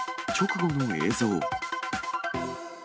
直後の映像。